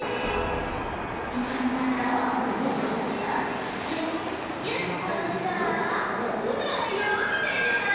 まんなかをちょっとぎゅっぎゅっとしたらほらやまみたいじゃない？